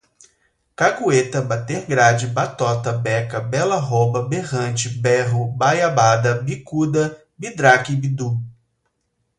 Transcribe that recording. cagueta, bater grade, batota, beca, bela roba, berrante, berro, biabada, bicuda, bidraque, bidú